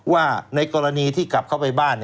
ว่าในกรณีที่กลับเข้าไปบ้าน